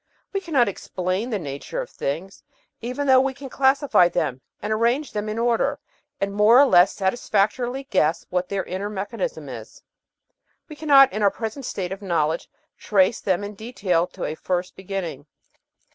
We cannot 'explain' the nature of things. Even though we can classify them and arrange them in order, and more or less satisfactorily guess what their inner mechanism is, we cannot, in our present state of knowledge, trace them in detail to a first beginning."